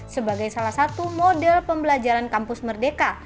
sebagai salah satu model pembelajaran kampus merdeka